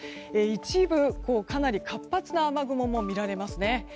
一部、かなり活発な雨雲も見られますね。